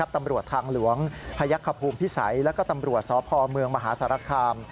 ตำรวจทางหลวงพยักษภูมิพิสัยแล้วก็ตำรวจสพเมืองมหาสารคาม